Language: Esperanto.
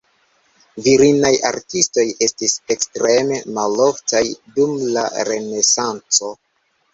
Virinaj artistoj estis ekstreme maloftaj dum la Renesanco.